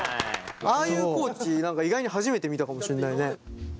ああいう地何か意外に初めて見たかもしんないね。